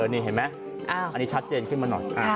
นี่เห็นไหมอันนี้ชัดเจนขึ้นมาหน่อย